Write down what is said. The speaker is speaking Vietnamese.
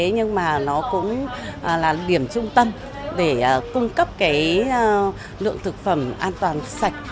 nhưng mà nó cũng là điểm trung tâm để cung cấp cái lượng thực phẩm an toàn sạch